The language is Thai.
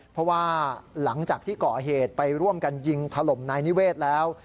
เพราะว่าหลังจากที่ก่อเหตุไปร่วมกันยิงถล่มนายนิเวศแล้ว